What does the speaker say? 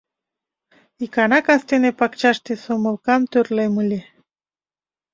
Икана кастене пакчаште сомылкам тӧрлем ыле.